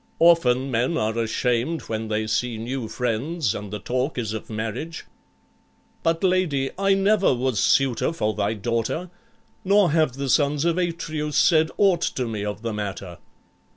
"Often men are ashamed when they see new friends and the talk is of marriage." "But, lady, I never was suitor for thy daughter. Nor have the sons of Atreus said aught to me of the matter."